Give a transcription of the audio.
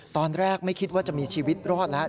ตอนแรกไม่คิดว่าจะมีชีวิตรอดแล้ว